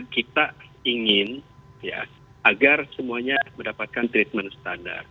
kita ingin ya agar semuanya mendapatkan treatment standar